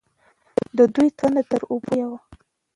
د دوی تنده تر اوبو لویه وه.